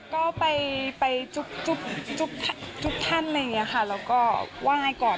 ก็ไปจุ๊บทุกท่านอะไรอย่างนี้ค่ะแล้วก็ไหว้ก่อน